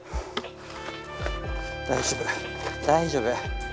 大丈夫、大丈夫。